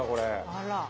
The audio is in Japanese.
あら。